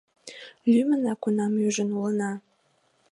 Лӱмынак унам ӱжын улына.